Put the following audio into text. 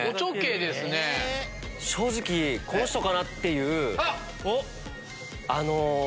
正直この人かなっていう。